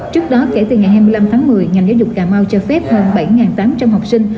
trước đó kể từ ngày hai mươi năm tháng một mươi ngành giáo dục cà mau cho phép hơn bảy tám trăm linh học sinh